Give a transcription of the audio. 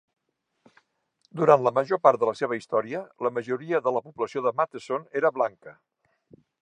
Durant la major part de la seva història, la majoria de la població de Matteson era blanca.